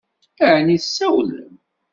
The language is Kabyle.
Ɛni tsawlem?